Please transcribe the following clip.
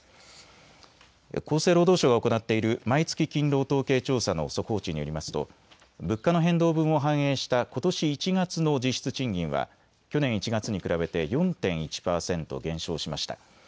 厚生労働省が行っている毎月勤労統計調査の速報値によりますと物価の変動分を反映したことし１月の実質賃金は去年１月に比べて４．１％減少しました。